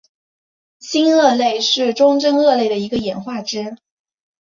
新鳄类是中真鳄类的一个演化支。